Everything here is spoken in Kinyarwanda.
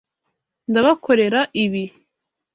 Ndabakorera ibi.